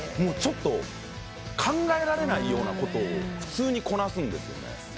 ちょっと考えられないようなことを普通にこなすんですよね。